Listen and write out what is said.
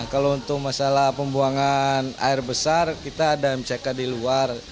kalau untuk masalah pembuangan air besar kita ada mck di luar